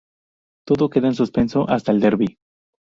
Todo queda en suspenso hasta el derbi.